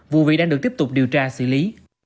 vụ việc đang được tiếp tục điều tra xử lý